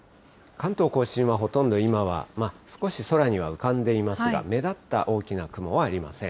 関東甲信はほとんど今は、少し空には浮かんでいますが、目立った大きな雲はありません。